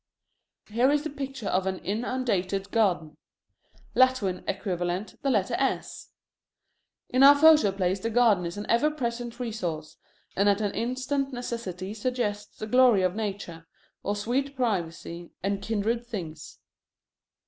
Here is the picture of an inundated garden: Latin equivalent, the letter S. In our photoplays the garden is an ever present resource, and at an instant's necessity suggests the glory of nature, or sweet privacy, and kindred things.